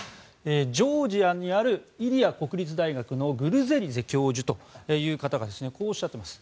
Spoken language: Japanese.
ジョージアにあるイリア国立大学のグルゼリゼ教授という方がこうおっしゃっています。